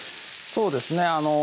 そうですね